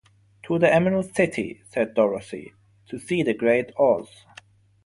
"To the Emerald City," said Dorothy, "to see the Great Oz."